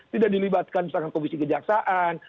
tidak dilibatkan misalkan komisi kejaksaan